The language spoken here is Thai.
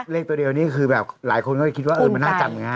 เลขตัวเดียวนี่คือแบบหลายคนก็คิดว่าเออมันน่าจำเหมือนกัน